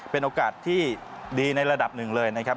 เป็นโอกาสที่ดีในระดับหนึ่งเลยนะครับ